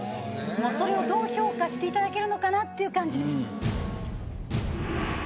それをどう評価していただけるのかなっていう感じです。